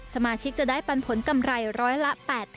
สมาชิกจะได้ปันผลกำไรร้อยละ๘๐